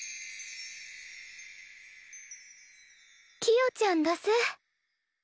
キヨちゃんどす。